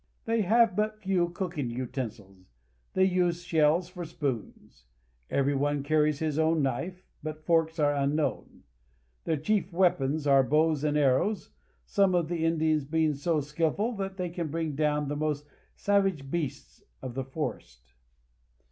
They have but few cooking utensils. They use shells for spoons. Every one carries his own knife, but forks are unknown. THE CHACO. 239 Their chief weapons are bows and arrows, some of the Indians being so skillful that they can bring down the most savage beasts of the forest.